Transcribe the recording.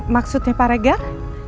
maksudnya pak regan